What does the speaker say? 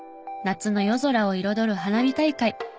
夏の夜空を彩る花火大会。